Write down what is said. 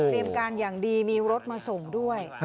เตรียมการอย่างดีมีรถมาส่งด้วย